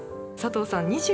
佐藤さん